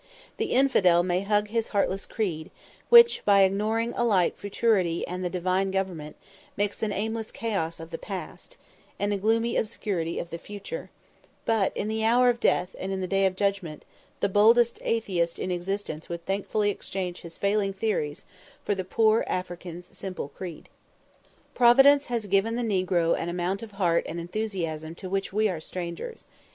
The infidel may hug his heartless creed, which, by ignoring alike futurity and the Divine government, makes an aimless chaos of the past, and a gloomy obscurity of the future; but, in the "hour of death and in the day of judgment," the boldest atheist in existence would thankfully exchange his failing theories for the poor African's simple creed. Providence, which has not endowed the negro with intellectual powers of the highest order, has given him an amount of heart and enthusiasm to which we are strangers.